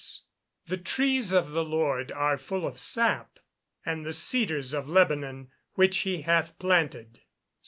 [Verse: "The trees of the Lord are full of sap: and the cedars of Lebanon which he hath planted."